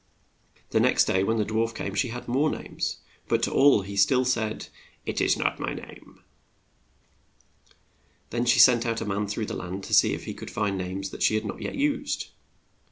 The next day when the dwarf came she had more names, but to all he still said, "It is not my name." Then she sent out a man through the land to see if he could find names that she had not yet used.